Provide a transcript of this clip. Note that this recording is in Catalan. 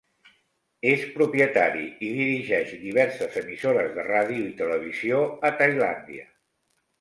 És propietari i dirigeix diverses emissores de ràdio i televisió a Tailàndia.